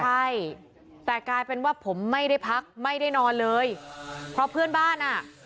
ใช่แต่กลายเป็นว่าผมไม่ได้พักไม่ได้นอนเลยเพราะเพื่อนบ้านอ่ะ